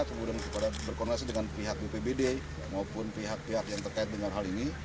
kemudian berkoordinasi dengan pihak bpbd maupun pihak pihak yang terkait dengan hal ini